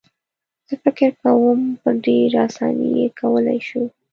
زه فکر کوم په ډېره اسانۍ یې کولای شو.